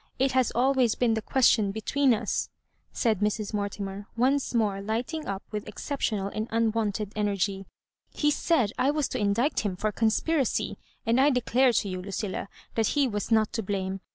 It has always been the question between us," said Mrs. Mortimer, once more lighting up with exceptional and unwonted energy. " He said I Digitized by VjOOQIC MISS MARJORIBANKS. 81 was to indict him for conspiracy ; and I declare to you, Lucilla, that he was not to blame.